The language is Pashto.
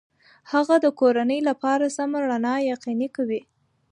هغه د کورنۍ لپاره سمه رڼا یقیني کوي.